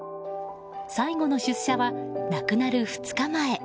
最後の出社は、亡くなる２日前。